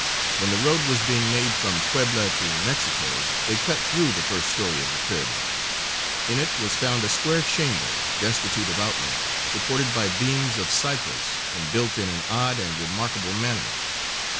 When the road was being made from Puebla to Mexico they cut through the first story of the pyramid. In it was found a square chamber, destitute of outlet, supported by beams of cypress and built in an odd and remarkable manner.